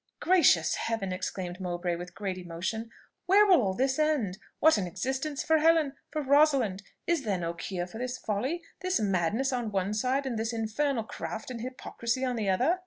"Gracious Heaven!" exclaimed Mowbray with great emotion, "where will all this end? What an existence for Helen, for Rosalind? Is there no cure for this folly, this madness on one side, and this infernal craft and hypocrisy on the other?"